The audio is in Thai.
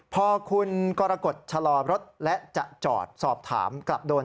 พอคุณกรกฎชะลอรถและจะจอดสอบถามกลับโดน